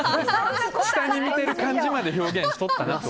下に見てる感じまで表現しとったなと。